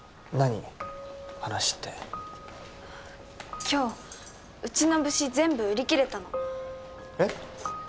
話って今日うちの部誌全部売り切れたのえっ？